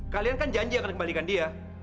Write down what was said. kalian kan janji akan kembalikan dia